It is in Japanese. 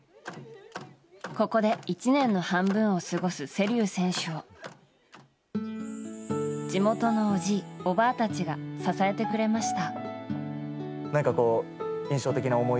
ここで１年の半分を過ごす瀬立選手を地元のおじい、おばあたちが支えてくれました。